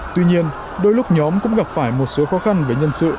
tuy nhiên đôi lúc nhóm cũng gặp phải một số khó khăn về nhân sự